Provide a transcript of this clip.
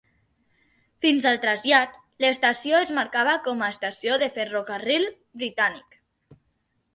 Fins al trasllat, l'estació es marcava com a estació de ferrocarril britànic.